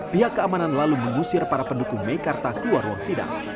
pihak keamanan lalu mengusir para pendukung meikarta keluar ruang sidang